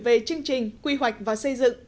về chương trình quy hoạch và xây dựng